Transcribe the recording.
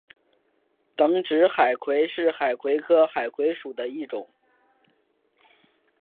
等指海葵是海葵科海葵属的一种。